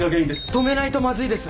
止めないとまずいです。